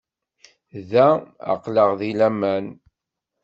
Da, aql-aɣ deg laman.